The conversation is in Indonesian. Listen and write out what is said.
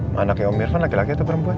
mana kayak om irfan laki laki atau perempuan